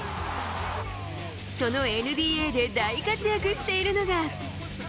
そのＮＢＡで大活躍しているのが。